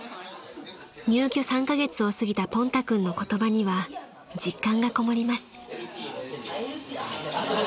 ［入居３カ月を過ぎたポンタ君の言葉には実感がこもります］